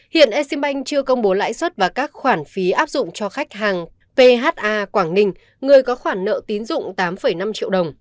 hiện exim bank chưa công bố lãi suất và các khoản phí áp dụng cho khách hàng pha quảng ninh người có khoản nợ tín dụng tám năm triệu đồng